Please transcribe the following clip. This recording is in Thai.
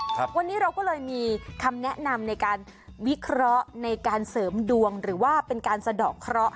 ครับวันนี้เราก็เลยมีคำแนะนำในการวิเคราะห์ในการเสริมดวงหรือว่าเป็นการสะดอกเคราะห